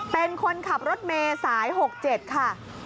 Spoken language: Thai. เป็นคนขับรถเมย์สาย๖๗ค่ะ